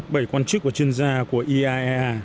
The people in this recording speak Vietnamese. bảy quan chức và chuyên gia của iaea